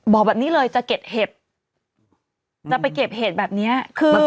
บอกแบบนี้เลยจะเก็บเห็บจะไปเก็บเห็ดแบบเนี้ยคือ